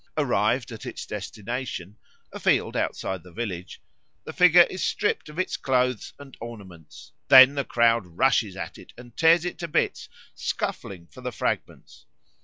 Arrived at its destination a field outside the village the figure is stripped of its clothes and ornaments; then the crowd rushes at it and tears it to bits, scuffling for the fragments.